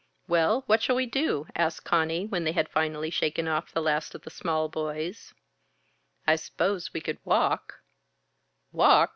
"Well, what shall we do?" asked Conny when they had finally shaken off the last of the small boys. "I s'pose we could walk." "Walk!"